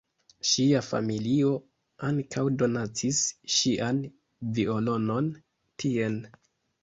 Ŝia familio ankaŭ donacis ŝian violonon tien.